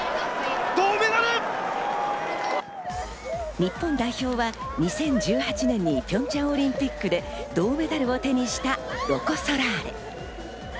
日本代表は２０１８年にピョンチャンオリンピックで銅メダルを手にしたロコ・ソラーレ。